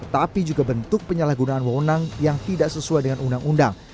tapi juga bentuk penyalahgunaan wewenang yang tidak sesuai dengan undang undang